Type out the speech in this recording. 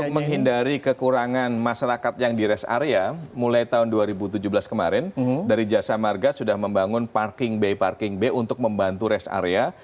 untuk menghindari kekurangan masyarakat yang di rest area mulai tahun dua ribu tujuh belas kemarin dari jasa marga sudah membangun parking bay parking bay untuk membantu rest area